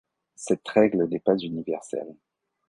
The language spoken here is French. Cette règle n'est pas universelle.